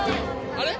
あれ？